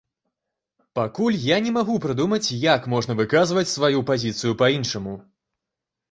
Пакуль я не магу прыдумаць, як можна выказваць сваю пазіцыю па-іншаму.